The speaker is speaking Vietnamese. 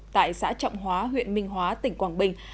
tại xã trọng hóa huyện minh hóa tỉnh quảng bình